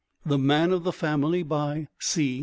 The Man of the Family, by C.